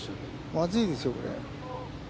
まずいですよ、これ。